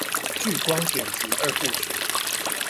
颶光典籍二部曲